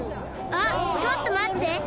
あっちょっとまって！